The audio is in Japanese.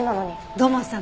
土門さん